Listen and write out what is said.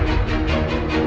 aku mau pergi